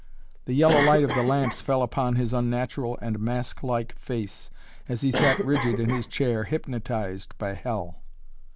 The yellow light of the lamps fell upon his unnatural and mask like face as he sat rigid in his chair hypnotized by Hell.